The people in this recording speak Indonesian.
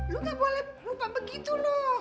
lu gak boleh lupa begitu lo